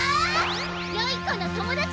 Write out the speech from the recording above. よい子の友達！